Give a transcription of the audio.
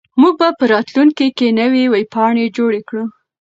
موږ به په راتلونکي کې نوې ویبپاڼې جوړې کړو.